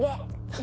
何？